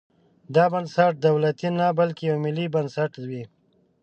دا بنسټ دولتي نه بلکې یو ملي بنسټ وي.